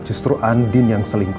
justru andi yang selingkuh